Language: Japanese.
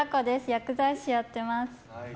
薬剤師やってます。